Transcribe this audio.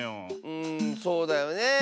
うんそうだよねえ。